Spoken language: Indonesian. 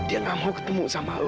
dia gak mau ketemu sama allah